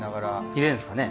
入れるんですかね。